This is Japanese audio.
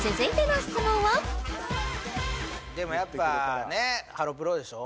でもやっぱハロプロでしょ？